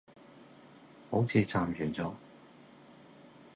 好似暫完咗